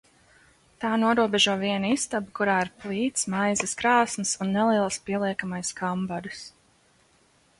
Tā norobežo vienu istabu, kurā ir plīts, maizes krāsns un neliels pieliekamais kambaris.